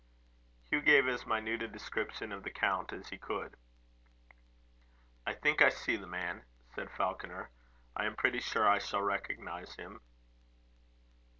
Hugh gave as minute a description of the count as he could. "I think I see the man," said Falconer. "I am pretty sure I shall recognise him."